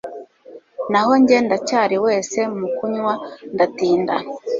naho njye ndacyari wese mu kunywa ndatinda